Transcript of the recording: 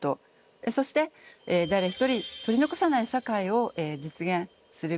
そして誰ひとり取り残さない社会を実現することです。